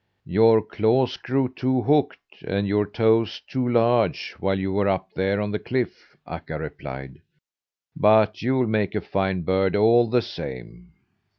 "Your claws grew too hooked, and your toes too large while you were up there on the cliff," Akka replied. "But you'll make a fine bird all the same."